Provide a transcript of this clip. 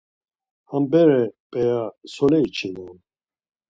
Ha bere p̌eya sole içinam?